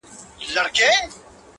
زهره چاودي به لستوڼي کي ماران سي!